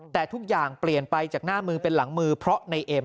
แต่ทุกอย่างเปลี่ยนไปจากหน้ามือเป็นหลังมือเพราะในเอ็ม